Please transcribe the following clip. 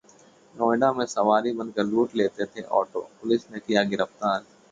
नोएडा में सवारी बनकर लूट लेते थे ऑटो, पुलिस ने किया गिरफ्तार